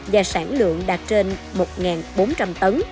và sản lượng đạt trên một bốn trăm linh tấn